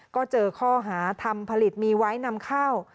ก็เจอข้อหาทำผลิตมีไว้นำเข้า